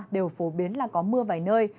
đều phổ biến là có mưa vài nơi